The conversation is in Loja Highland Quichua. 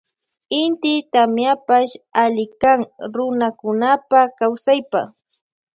Inti tamiapash allikan runakunapa kawsaypa.